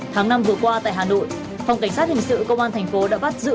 tháng năm vừa qua tại hà nội phòng cảnh sát hình sự công an thành phố đã bắt giữ